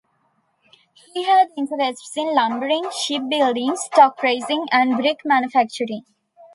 He had interests in lumbering, ship building, stock raising and brick manufacturing.